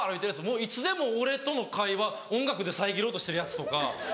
もういつでも俺との会話音楽で遮ろうとしてるヤツとか。